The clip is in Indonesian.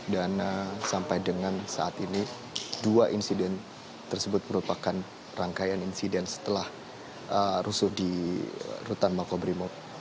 dan sampai dengan saat ini dua insiden tersebut merupakan rangkaian insiden setelah rusuh di rutan makodrimob